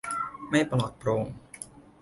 ไม่ปลอดโปร่ง